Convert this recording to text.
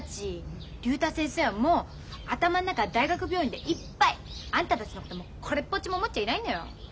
竜太先生はもう頭ん中は大学病院でいっぱい！あんたたちのことをこれっぽっちも思っちゃいないんだよ。